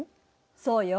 そうよ。